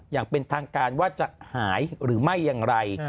อย่างเป็นทางการว่าจะหายหรือไม่อย่างไร